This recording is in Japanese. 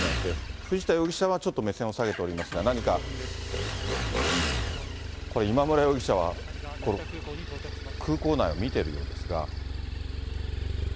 藤田容疑者はちょっと目線を下げておりますが、何かこれ、今村容疑者は空港内を見てるようですが。